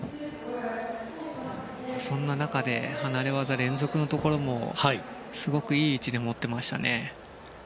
そんな中で離れ技連続のところもすごくいい位置で持ってましたね。